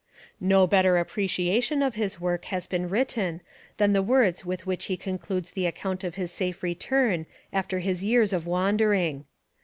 No better appreciation of his work has been written than the words with which he concludes the account of his safe return after his years of wandering.